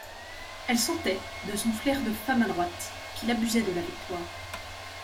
Elle sentait, de son flair de femme adroite, qu'il abusait de la victoire.